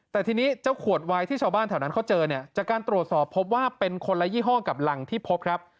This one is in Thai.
แต่ทีนี้เจ้าขวดวายที่ชาวบ้านแถวนั้นเขาเจอเนี่ยจากการตรวจสอบพบว่าเป็นคนละยี่ห้อกับหลังที่พบครับ